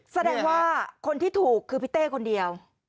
แสดงว่าคนที่ถูกคือพี่เต้คนเดียว